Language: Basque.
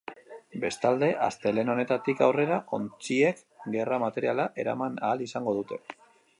Bestalde, astelehen honetatik aurrera, ontziek gerra materiala eraman ahal izango dute.